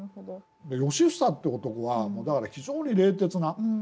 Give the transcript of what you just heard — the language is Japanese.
良房っていう男はだから非常に冷徹な。